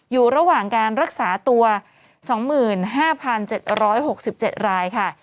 อยู่ระหว่างการรักษาตัว๒๕๗๖๗รายค่ะ